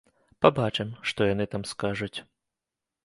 Пабачым, што яны нам скажуць.